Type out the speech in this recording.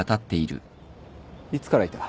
いつからいた？